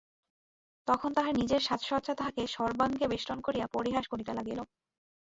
তখন তাহার নিজের সাজসজ্জা তাহাকে সর্বাঙ্গে বেষ্টন করিয়া পরিহাস করিতে লাগিল।